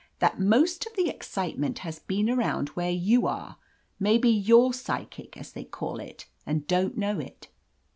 The most of the excitement has been around where you are. Maybe you're psychic, as they call it, and don't know it.